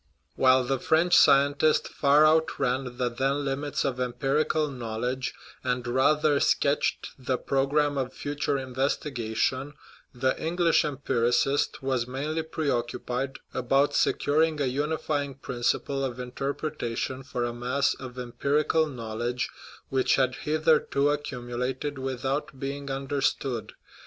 While the French scientist far outran the then limits of empirical knowledge, and rather sketched the pro gramme of future investigation, the English empiri cist was mainly preoccupied about securing a unifying principle of interpretation for a mass of empirical knowledge which had hitherto accumulated without being understood.